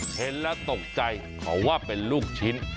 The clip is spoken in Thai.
เห็นแล้วตกใจเขาว่าเป็นลูกชิ้น